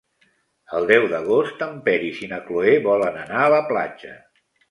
El deu d'agost en Peris i na Cloè volen anar a la platja.